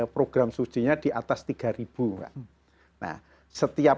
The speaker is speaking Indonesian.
program sudinya di atas tiga ribu nah setiap